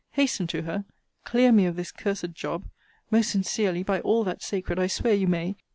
Hasten to her! Clear me of this cursed job. Most sincerely, by all that's sacred, I swear you may!